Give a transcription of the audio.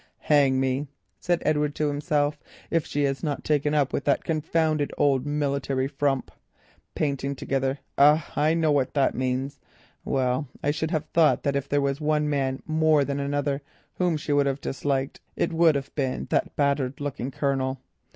"Hang me," said Edward to himself, "if she has not taken up with that confounded old military frump. Painting together! Ah, I know what that means. Well, I should have thought that if there was one man more than another whom she would have disliked, it would have been that battered looking Colonel."